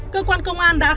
cơ quan công an đã khai